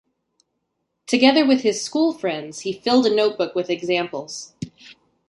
Together with his schoolfriends, he filled a notebook with examples.